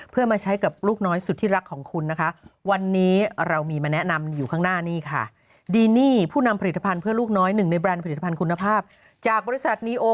เพื่อมาใช้กับลูกน้อยสุดที่รักของคุณนะคะ